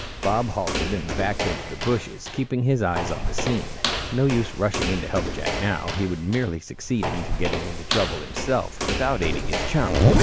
Bob halted, and backed into the bushes, keeping his eyes on the scene. No use rushing in to help Jack now. He would merely succeed in getting into trouble himself, without aiding his chum.